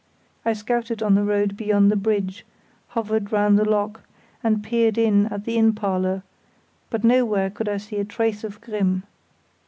I scouted on the road beyond the bridge, hovered round the lock, and peered in at the inn parlour; but nowhere could I see a trace of Grimm.